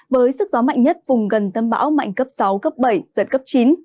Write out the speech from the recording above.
với sức gió mạnh nhất vùng gần tâm bão mạnh cấp sáu cấp bảy giật cấp chín